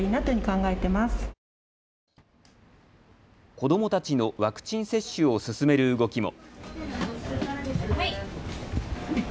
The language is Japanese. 子どもたちのワクチン接種を進める動きも。